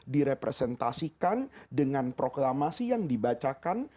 direpresentasikan dengan proklamasi yang dibacakan